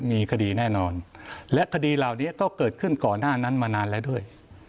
มีคดีแน่นอนและคดีเหล่านี้ก็เกิดขึ้นก่อนหน้านั้นมานานแล้วด้วย